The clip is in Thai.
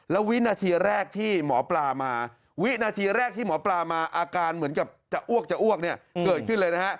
แล้ววินาทีแรกที่หมอปลามาอาการเหมือนกับจะอ้วกเกิดขึ้นเลยนะฮะ